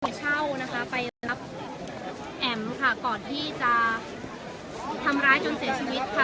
เช่านะคะไปรับแอ๋มค่ะก่อนที่จะทำร้ายจนเสียชีวิตค่ะ